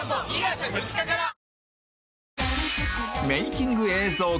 メイキング映像